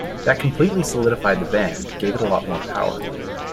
That completely solidified the band, gave it a lot more power.